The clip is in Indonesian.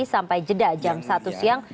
sampai jeda jam satu siang